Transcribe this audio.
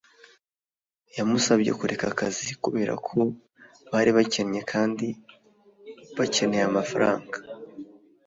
yamusabye kureka akazi kubera ko bari bakennye kandi bakeneye amafaranga